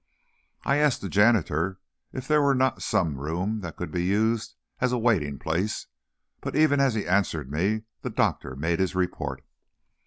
I asked the janitor if there were not some room that could be used as a waiting place, but even as he answered me, the doctor made his report.